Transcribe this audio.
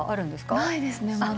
ないですねまだ。